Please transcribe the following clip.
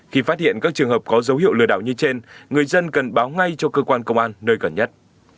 khi phát hiện các trường hợp có dấu hiệu lừa đảo như trên người dân cần báo ngay cho cơ quan công an nơi gần nhất